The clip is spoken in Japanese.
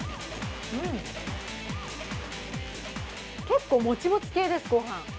結構、もちもち系です、ごはん。